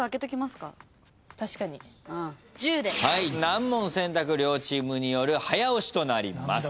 難問選択両チームによる早押しとなります。